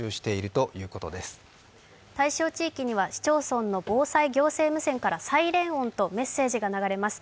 対象地域には市町村の行政防災無線からサイレン音とメッセージが流れます。